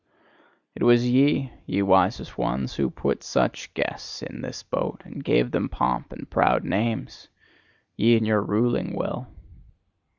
It was ye, ye wisest ones, who put such guests in this boat, and gave them pomp and proud names ye and your ruling Will!